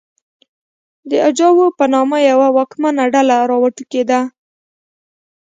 د اجاو په نامه یوه واکمنه ډله راوټوکېده